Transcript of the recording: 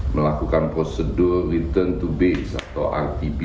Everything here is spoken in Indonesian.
melakukan prosedur return to base atau rtb